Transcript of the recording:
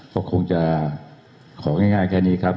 ก็คงจะของ่ายแค่นี้ครับ